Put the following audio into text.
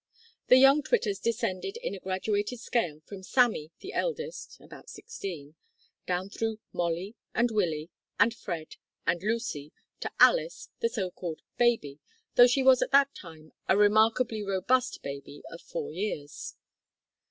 The young Twitters descended in a graduated scale from Sammy, the eldest, (about sixteen), down through Molly, and Willie, and Fred, and Lucy, to Alice the so called "baby" though she was at that time a remarkably robust baby of four years.